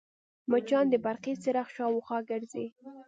مچان د برقي څراغ شاوخوا ګرځي